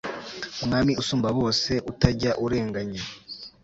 mwami usumba bose utajya urenganya